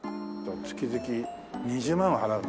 月々２０万は払うな。